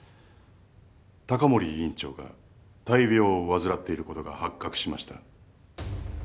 高森院長が大病を患っていることが発覚しました。